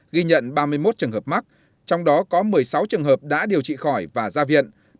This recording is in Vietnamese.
ghi nhận ba mươi một trường hợp mắc trong đó có một mươi sáu trường hợp đã điều trị khỏi và ra viện